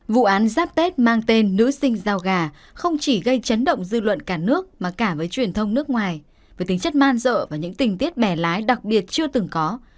vụ án giáp tết mang tên nữ sinh giao gà không chỉ gây chấn động dư luận cả nước mà cả với truyền thông nước ngoài với tính chất man dợ và những tình tiết bẻ lái đặc biệt chưa từng có